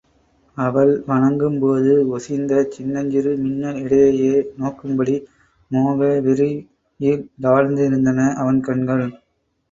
அவள் வணங்கும் போது ஒசிந்த சின்னஞ்சிறு மின்னல் இடையையே நோக்கும் படி மோக வெறியிலாழ்ந்திருந்தன அவன் கண்கள்.